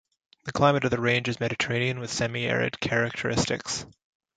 The climate of the range is Mediterranean with semi-arid characteristics.